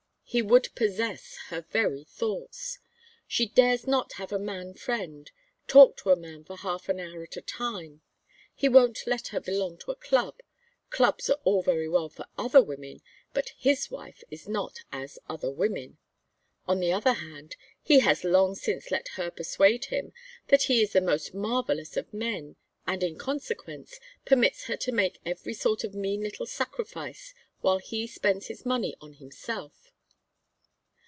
He would possess her very thoughts. She dares not have a man friend, talk to a man for half an hour at a time. He won't let her belong to a club clubs are all very well for other women, but his wife is not as other women. On the other hand, he has long since let her persuade him that he is the most marvellous of men, and, in consequence, permits her to make every sort of mean little sacrifice while he spends his money on himself.